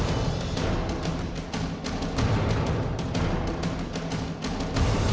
yang ketiga sebagai perusahaan